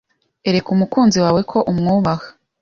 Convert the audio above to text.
Ereka umukunzi wawe ko umwubaha